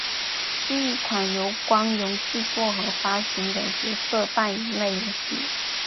是一款由光荣制作和发行的角色扮演类游戏。